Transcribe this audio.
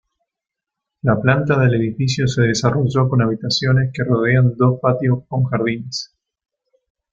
La planta del edificio se desarrolló con habitaciones que rodean dos patios con jardines.